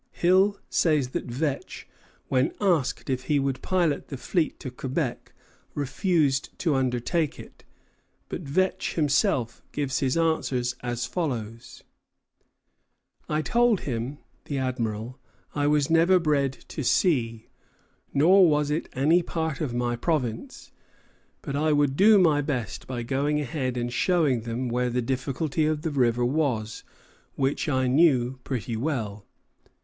Hill says that Vetch, when asked if he would pilot the fleet to Quebec, refused to undertake it; but Vetch himself gives his answer as follows: "I told him [the Admiral] I never was bred to sea, nor was it any part of my province; but I would do my best by going ahead and showing them where the difficulty of the river was, which I knew pretty well."